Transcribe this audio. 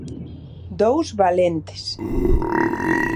Dous valentes.